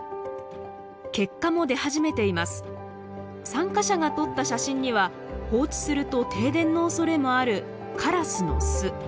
参加者が撮った写真には放置すると停電の恐れもあるカラスの巣。